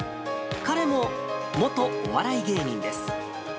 彼も元お笑い芸人です。